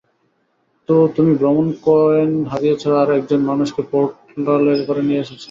তো, তুমি ভ্রমণ কয়েন হারিয়েছ আর একজন মানুষকে পোর্টালে করে নিয়ে এসেছ।